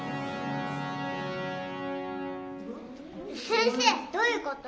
先生どういうこと？